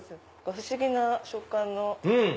不思議な食感の。